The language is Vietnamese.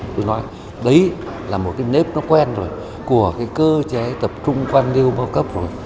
tôi nói đấy là một cái nếp nó quen rồi của cái cơ chế tập trung quan liêu bao cấp rồi